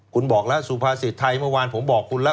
คุณบอกแล้วสู่พาสิทธิ์ไทยเหมือนกว่าผมบอกคือนะ